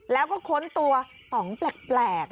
แล้วก็ค้นตัวต่องแปลก